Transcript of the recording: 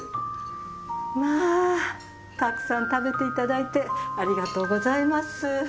まぁたくさん食べていただいてありがとうございます。